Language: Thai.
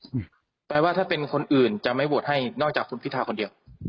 แปลว่าถ้าเป็นคนอื่นจะไม่โหวตให้นอกจากคุณพิทาคนเดียว